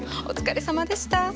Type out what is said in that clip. お疲れさまでした。